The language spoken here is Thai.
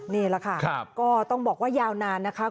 นี่แหละค่ะก็ต้องบอกว่ายาวนานนะคะ